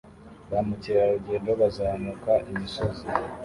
Ba mukerarugendo bazamuka imisozi